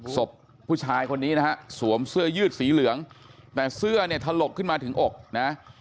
ศพผู้ชายคนนี้นะฮะสวมเสื้อยืดสีเหลืองแต่เสื้อเนี่ยถลกขึ้นมาถึงอกนะ